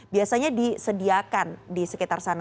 biasanya disediakan di sekitar sana